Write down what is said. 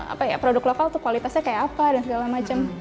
apa ya produk lokal tuh kualitasnya kayak apa dan segala macem